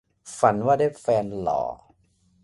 ฝันว่าได้แฟนหล่อ